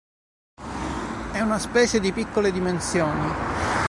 È una specie di piccole dimensioni.